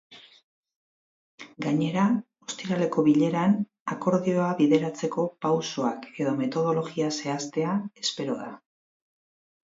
Gainera, ostiraleko bileran akordioa bideratzeko pausoak edo metodologia zehaztea espero da.